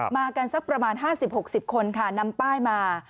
มากันสักประมาณ๕๐๖๐คนค่ะนำป้ายมา